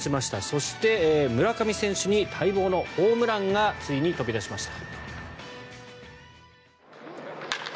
そして、村上選手に待望のホームランがついに飛び出しました。